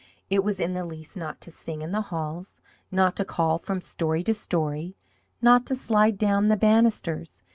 It was in the Lease not to sing in the halls, not to call from story to story, not to slide down the banisters.